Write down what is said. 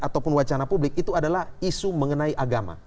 ataupun wacana publik itu adalah isu mengenai agama